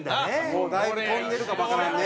もうだいぶ飛んでるかもわからんね。